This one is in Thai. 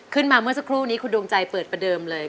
เมื่อสักครู่นี้คุณดวงใจเปิดประเดิมเลย